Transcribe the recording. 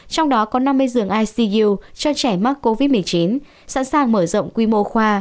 trong đó có năm mươi giường icu cho trẻ mắc covid một mươi chín sẵn sàng mở rộng quy mô khoa